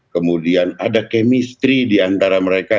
kemudian ada kemistri di antara mereka